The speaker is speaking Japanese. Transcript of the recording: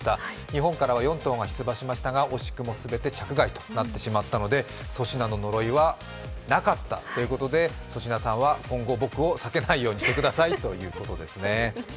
日本からは４馬が出場しましたが惜しくも全て着外となってしまったので、粗品の呪いはなかったということで、粗品さんは今後、僕を避けないようにしてくださいとのことでした。